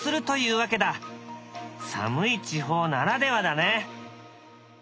寒い地方ならではだね。